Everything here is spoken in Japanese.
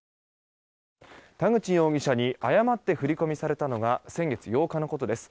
田口容疑者に誤って振り込みされたのは先月８日のことです。